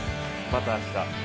また明日。